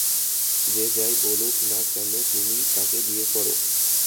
যে যাই বলুক না কেন, তুমি তাকে বিয়ে করো?